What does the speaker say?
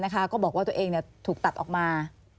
ก็บอกว่าตัวเองถูกตัดออกมา